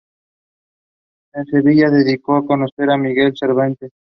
En Sevilla debió conocer a Miguel de Cervantes.